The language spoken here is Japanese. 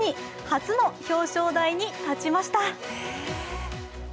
初の表彰台に立ちました。